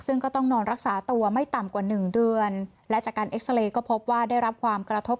ซึ่งก็ต้องนอนรักษาตัวไม่ต่ำกว่าหนึ่งเดือนและจากการเอ็กซาเรย์ก็พบว่าได้รับความกระทบ